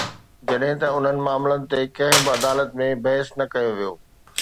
جڏهن ته انهن معاملن تي ڪنهن به عدالت ۾ بحث نه ڪيو ويو.